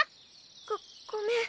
ごごめん。